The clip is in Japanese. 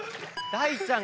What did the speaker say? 大ちゃん？